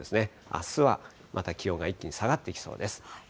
あすはまた気温が一気に下がっていきそうです。